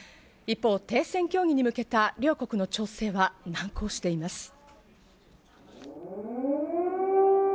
一方、停戦協議に向けた両国の調整は難航しています。